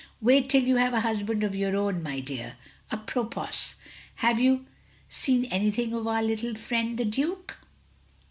"Wait till you have a htisband of your own, my dear. A propos, have you seen anything of our little friend, the Duke?"